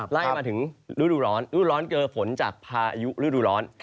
ไล่มาถึงฤดูร้อนรูดร้อนเจอฝนจากพายุฤดูร้อน